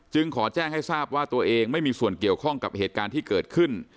ขอแจ้งให้ทราบว่าตัวเองไม่มีส่วนเกี่ยวข้องกับเหตุการณ์ที่เกิดขึ้น